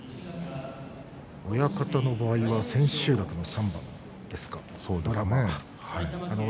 親方の場合は千秋楽の３番ですか。